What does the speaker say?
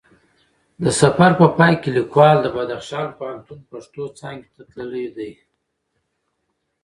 د سفر په پای کې لیکوال د بدخشان پوهنتون پښتو څانګی ته تللی دی